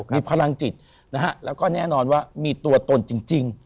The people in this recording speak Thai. มีพลังจิตนะฮะแล้วก็แน่นอนว่ามีตัวตนจริง